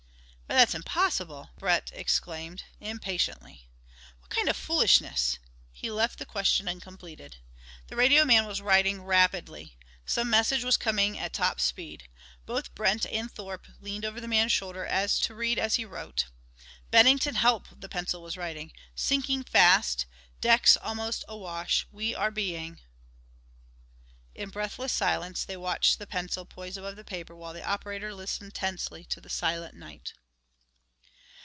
_" "Why, that's impossible," Brent exclaimed impatiently. "What kind of foolishness " He left the question uncompleted. The radio man was writing rapidly. Some message was coming at top speed. Both Brent and Thorpe leaned over the man's shoulder to read as he wrote. "Bennington help," the pencil was writing, "sinking fast decks almost awash we are being " In breathless silence they watched the pencil, poised above the paper while the operator listened tensely to the silent night.